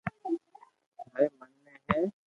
ٿاري من ۾ ھي